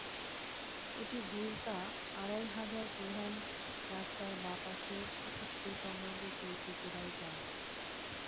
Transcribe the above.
এটি ভুলতা আড়াইহাজার প্রধান রাস্তার বাঁ পাশের স্কুলসংলগ্ন একটি ঐতিহ্যবাহী গ্রাম।